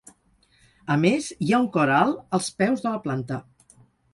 A més hi ha un cor alt als peus de la planta.